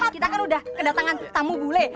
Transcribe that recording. kita kan udah kedatangan tamu bule